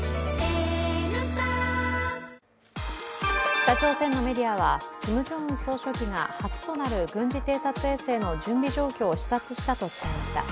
北朝鮮のメディアはキム・ジョンウン総書記が初となる軍事偵察衛星の準備状況を視察したと伝えました。